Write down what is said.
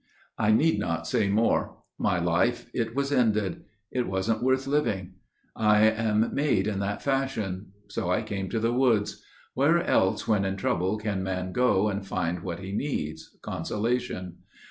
I need not say more. My life it was ended. It wasn't worth living; I am made in that fashion. So I came to the woods. Where else when in trouble Can man go and find what he needs, consolation?